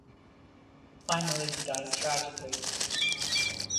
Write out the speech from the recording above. Finally he dies tragically.